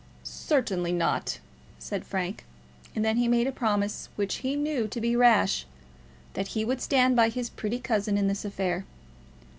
"Certainly not," said Frank; and then he made a promise, which he knew to be rash, that he would stand by his pretty cousin in this affair.